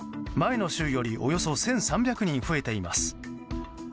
前の週よりおよそ１３００人増えています。